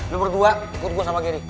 lo berdua ikut gue sama giri